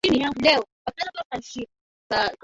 anaelezea ni jinsi gani nchi ya rwanda